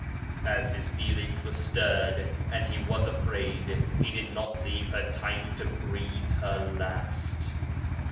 As his feelings were stirred and he was afraid, he did not leave her time to breathe her last.